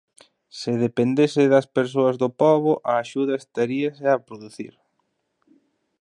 Se dependese das persoas do pobo, a axuda estaríase a producir.